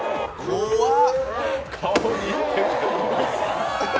怖っ！